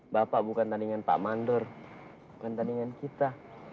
bapak bukan tandingan pak mandor bukan tandingan kita